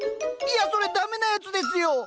いやそれ駄目なやつですよ！